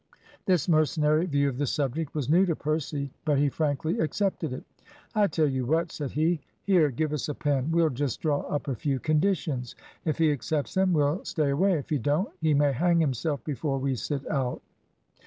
This mercenary view of the subject was new to Percy, but he frankly accepted it. "I tell you what," said he; "here, give us a pen; we'll just draw up a few conditions. If he accepts them we'll stay away; if he don't, he may hang himself before we sit out."